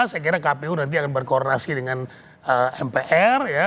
saya kira kpu nanti akan berkoordinasi dengan mpr